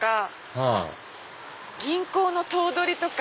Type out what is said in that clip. はぁ銀行の頭取とか。